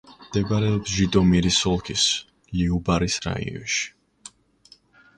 მდებარეობს ჟიტომირის ოლქის ლიუბარის რაიონში.